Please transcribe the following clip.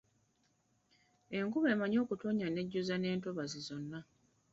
Enkuba emanyi okutonnya n'ejjuza n'entobazi zonna.